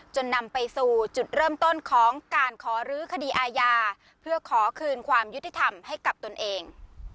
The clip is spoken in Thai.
นำไปสู่จุดเริ่มต้นของการขอรื้อคดีอาญาเพื่อขอคืนความยุติธรรมให้กับตนเอง